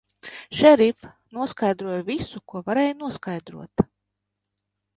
Šerif, noskaidroju visu, ko varēja noskaidrot.